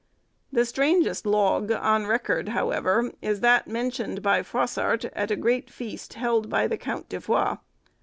The strangest log on record, however, is that mentioned by Froissart, at a great feast held by the Count de Foix.